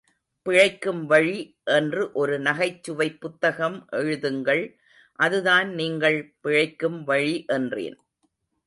பிழைக்கும் வழி என்று ஒரு நகைச்சுவைப் புத்தகம் எழுதுங்கள், அதுதான் நீங்கள் பிழைக்கும் வழி என்றேன்.